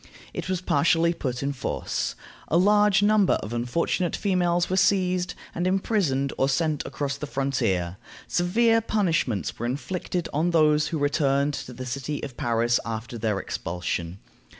It was partially put in force. A large number of unfortunate females were seized, and imprisoned or sent across the frontier. Severe punishments were inflicted on those who returned to the city of Paris after their expulsion.